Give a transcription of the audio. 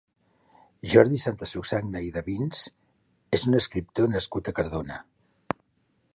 Jordi Santasusagna i Davins és un escriptor nascut a Cardona.